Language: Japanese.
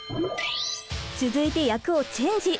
続いて役をチェンジ！